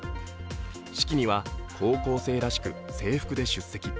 式には、高校生らしく制服で出席。